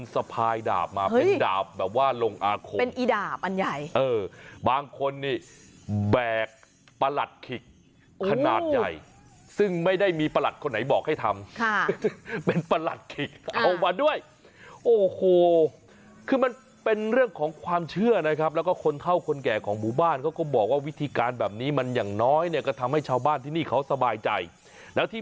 สะพายดาบมาเป็นดาบแบบว่าลงอาคมเป็นอีดาบอันใหญ่เออบางคนนี่แบกประหลัดขิกขนาดใหญ่ซึ่งไม่ได้มีประหลัดคนไหนบอกให้ทำค่ะเป็นประหลัดขิกเอามาด้วยโอ้โหคือมันเป็นเรื่องของความเชื่อนะครับแล้วก็คนเท่าคนแก่ของหมู่บ้านเขาก็บอกว่าวิธีการแบบนี้มันอย่างน้อยเนี่ยก็ทำให้ชาวบ้านที่นี่เขาสบายใจแล้วที่